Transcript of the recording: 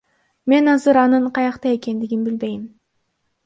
Мен азыр анын каякта экендигин билбейм.